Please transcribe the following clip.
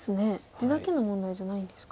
地だけの問題じゃないんですか。